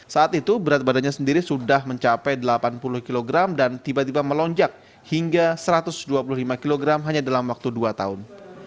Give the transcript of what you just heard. saat itu berat badannya sendiri sudah mencapai delapan puluh kg dan tiba tiba melonjak hingga satu ratus dua puluh lima kg hanya dalam waktu dua tahun